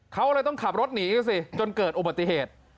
เขาเลยต้องขับรถหนีสิจนเกิดอุบัติเหตุ